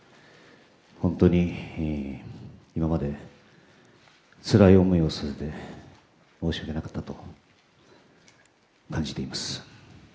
本当に今までつらい思いをされて申し訳なかったと感じています。